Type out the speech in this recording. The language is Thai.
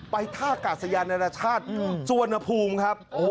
ไปท่ากาศยานรชาติสวนภูมิครับ